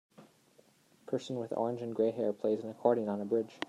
Person with orange and gray hair plays an accordion on a bridge.